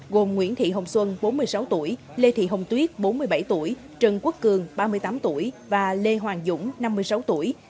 gồm nguyễn thị hồng xuân bốn mươi sáu tuổi lê thị hồng tuyết bốn mươi bảy tuổi trần quốc cường ba mươi tám tuổi và lê hoàng dũng năm mươi sáu tuổi